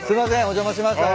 お邪魔しました。